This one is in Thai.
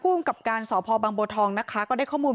และมีการเก็บเงินรายเดือนจริง